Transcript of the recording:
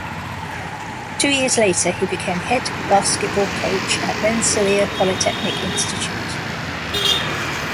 Two years later, he became head basketball coach at Rensselaer Polytechnic Institute.